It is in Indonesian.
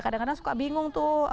kadang kadang suka bingung tuh